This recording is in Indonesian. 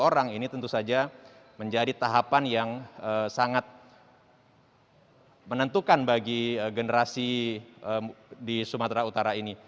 sembilan puluh dua tiga ratus tujuh puluh tujuh orang ini tentu saja menjadi tahapan yang sangat menentukan bagi generasi di sumatera utara ini